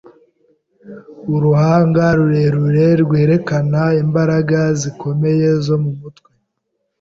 Uruhanga rurerure rwerekana imbaraga zikomeye zo mumutwe.